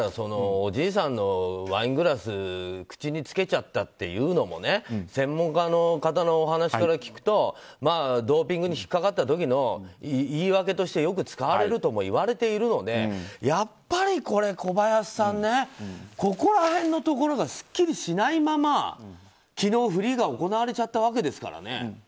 おじいさんのワイングラスを口につけちゃったっていうのも専門家の方のお話を聞くとドーピングに引っかかった時の言い訳としてよく使われるとも言われているのでやっぱり、小林さんここら辺のところがすっきりしないまま昨日、フリーが行われちゃったわけですからね。